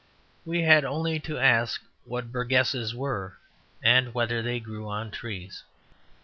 We had only to ask what burgesses were, and whether they grew on trees.